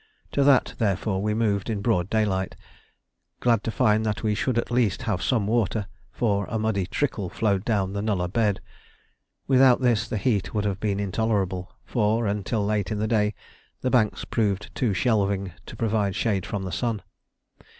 To that therefore we moved in broad daylight, glad to find that we should at least have some water, for a muddy trickle flowed down the nullah bed. Without this the heat would have been intolerable, for, until late in the day, the banks proved too shelving to provide shade from the sun.